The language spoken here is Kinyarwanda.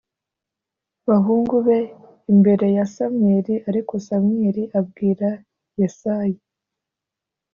Bahungu be imbere ya samweli ariko samweli abwira yesayi